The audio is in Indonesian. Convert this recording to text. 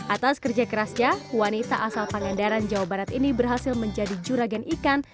atas kerja kerasnya wanita asal pangandaran jawa barat ini berhasil menjadi juragan ikan